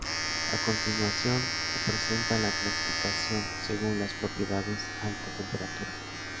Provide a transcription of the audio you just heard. A continuación se presenta la clasificación según las propiedades a alta temperatura.